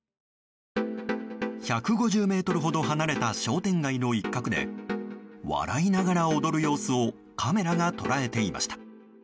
１５０ｍほど離れた商店街の一角で笑いながら踊る様子をカメラが捉えていました。